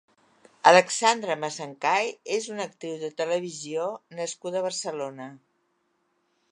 Alexandra Masangkay és una actriu de televisió nascuda a Barcelona.